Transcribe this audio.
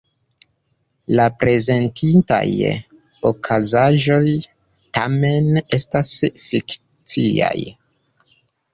La prezentitaj okazaĵoj, tamen, estas fikciaj.